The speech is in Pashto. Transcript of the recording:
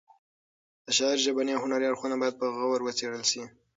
د شاعر ژبني او هنري اړخونه باید په غور وڅېړل شي.